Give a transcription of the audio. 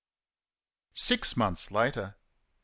Six months later.